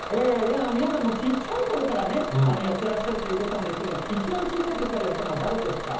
皆さん、ちっちゃいころからやってらっしゃるということなんですけれども、一番小さいときからやってたのは誰ですか？